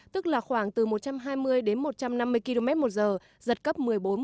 tức là khoảng từ một trăm hai mươi đến một trăm năm mươi km một giờ giật cấp một mươi bốn một mươi năm